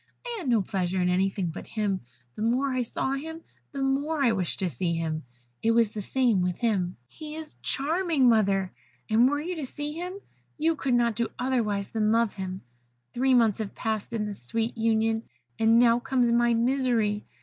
I had no pleasure in anything but him: the more I saw him the more I wished to see him. It was the same with him. He is charming, mother! and were you to see him you could not do otherwise than love him. "Three months have passed in this sweet union, and now comes my misery.